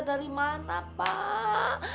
dari mana pak